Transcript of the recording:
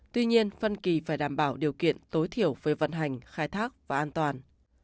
tuy nhiên phân kỳ phải đảm bảo điều kiện tối thiểu về vận hành khai thác và an toàn